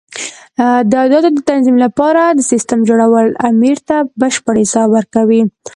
د عایداتو د تنظیم لپاره د سیسټم جوړول امیر ته بشپړ حساب ورکوي.